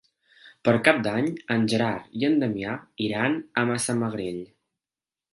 Per Cap d'Any en Gerard i en Damià iran a Massamagrell.